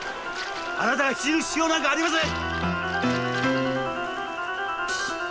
あなたが死ぬ必要なんかありません！